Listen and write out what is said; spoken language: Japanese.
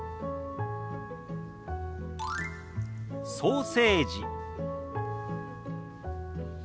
「ソーセージ」。